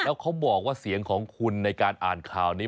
แล้วเขาบอกว่าเสียงของคุณในการอ่านข่าวนี้